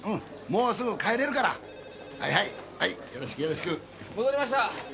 もうすぐ帰れるからはいはいはいよろしくよろしく戻りました